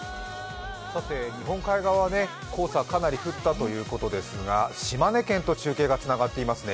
日本海側は黄砂、かなり降ったということですが島根県と中継がつながっていますね。